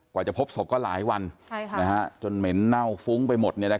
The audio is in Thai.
จะพบศพก็หลายวันจนเหม็นเน่าฟุ้งไปหมด